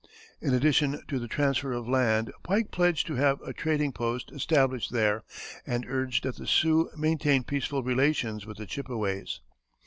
In addition to the transfer of land Pike pledged to have a trading post established there, and urged that the Sioux maintain peaceful relations with the Chippeways.